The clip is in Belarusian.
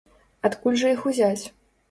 Адкуль жа іх узяць?